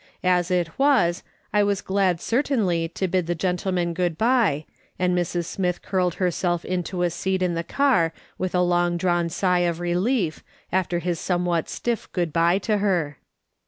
As it was, I was glad certainly to bid the gentleman good bye, and Mrs. Smith curled herself into a seat in the car with a long drawn sigh of relief, after his some what stiff good bye to her.